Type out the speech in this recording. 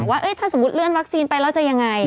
ว่าถ้าสมมุติเลื่อนวัคซีนไปแล้วจะยังไง